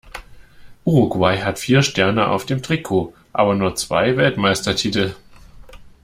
Uruguay hat vier Sterne auf dem Trikot, aber nur zwei Weltmeistertitel.